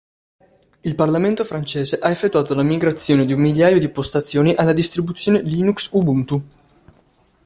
Il Parlamento francese ha effettuato la migrazione di un migliaio di postazioni alla distribuzione Linux Ubuntu.